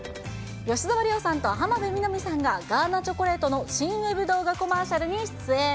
吉沢亮さんと浜辺美波さんがガーナチョコレートのＣＭウェブ動画コマーシャルに出演。